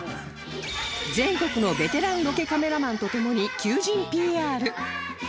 全国のベテランロケカメラマンと共に求人 ＰＲ